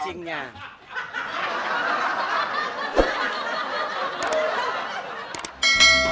buang air yang jauh